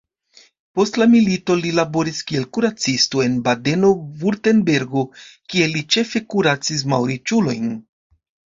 Post la milito li laboris kiel kuracisto en Badeno-Vurtembergo, kie li ĉefe kuracis malriĉulojn.